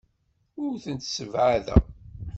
Ur tent-ssebɛadeɣ.